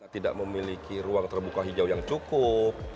tidak memiliki ruang terbuka hijau yang cukup